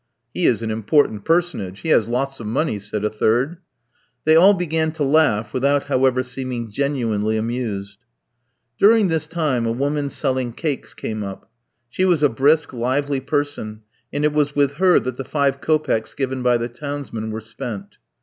"He is an important personage, he has lots of money," said a third. They all began to laugh without, however, seeming genuinely amused. During this time a woman selling cakes came up. She was a brisk, lively person, and it was with her that the five kopecks given by the townsman were spent.